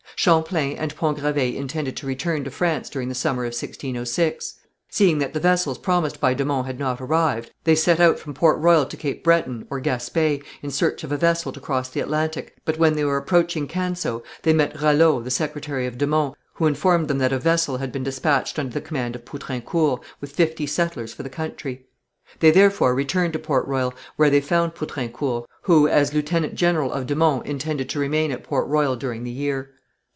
Champlain and Pont Gravé intended to return to France during the summer of 1606. Seeing that the vessels promised by de Monts had not arrived, they set out from Port Royal to Cape Breton or Gaspé, in search of a vessel to cross the Atlantic, but when they were approaching Canseau, they met Ralleau, the secretary of de Monts, who informed them that a vessel had been despatched under the command of Poutrincourt, with fifty settlers for the country. They, therefore, returned to Port Royal, where they found Poutrincourt, who as lieutenant general of de Monts intended to remain at Port Royal during the year.